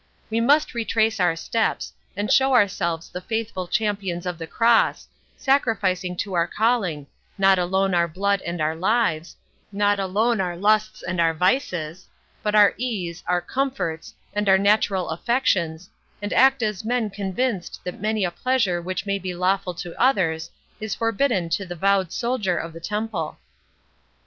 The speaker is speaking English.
We must retrace our steps, and show ourselves the faithful Champions of the Cross, sacrificing to our calling, not alone our blood and our lives—not alone our lusts and our vices—but our ease, our comforts, and our natural affections, and act as men convinced that many a pleasure which may be lawful to others, is forbidden to the vowed soldier of the Temple."